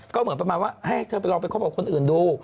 ก็เหมือนประมาณว่าให้เธอไปลองไปคบกับคนอื่นดู